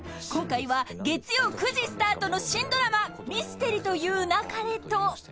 ［今回は月曜９時スタートの新ドラマ『ミステリと言う勿れ』と］